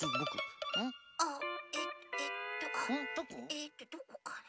えっとどこかな？